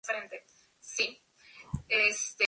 Existen vinos que usan la imagen del humedal.